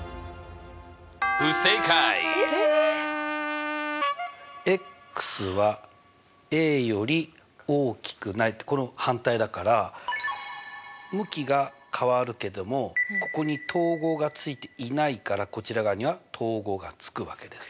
えっ？はより大きくないってこれの反対だから向きが変わるけどもここに等号がついていないからこちら側には等号がつくわけです。